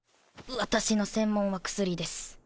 私の専門は薬です。